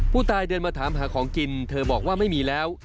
เดินมาถามหาของกินเธอบอกว่าไม่มีแล้ว